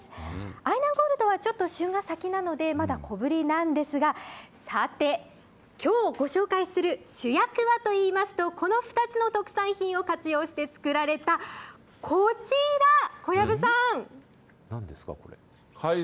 愛南ゴールドはちょっと旬が先なので、まだ小ぶりなんですが、さて、きょうご紹介する主役はといいますと、この２つの特産品を活用して作られたこちら、小籔さん。